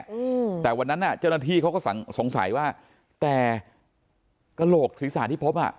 อืมแต่วันนั้นอ่ะเจ้าหน้าที่เขาก็สังสงสัยว่าแต่กระโหลกศีรษะที่พบอ่ะ